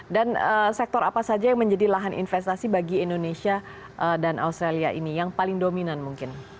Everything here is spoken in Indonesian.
dan sektor apa saja yang menjadi lahan investasi bagi indonesia dan australia ini yang paling dominan mungkin